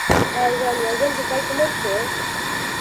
آیا ژان والژان په پای کې مړ شو؟